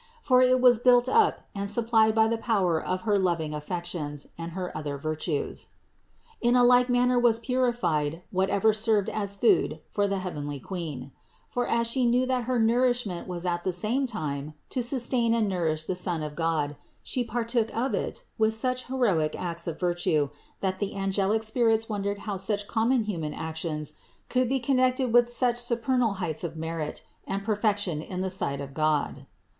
For it was built up and supplied by the power of her loving affections and her other virtues. In a like manner was purified whatever served as food for the heavenly Queen. For, as She knew that her nourishment was at the same time THE INCARNATION 113 to sustain and nourish the Son of God, She partook of it with such heroic acts of virtue, that the angelic spirits wondered how such common human actions could be connected with such supernal heights of merit and per fection in the sight of God.